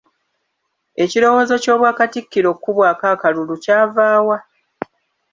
Ekirowoozo ky'obwa Kattikiro okubwako akalulu kyava wa?